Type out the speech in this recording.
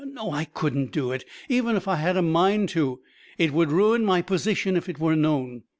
No, I couldn't do it, even if I had a mind to. It would ruin my position if it were known.